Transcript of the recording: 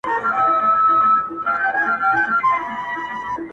یار نوشلی یې په نوم دمیو جام دی.